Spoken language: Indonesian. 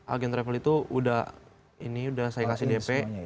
agen travel itu sudah saya kasih dp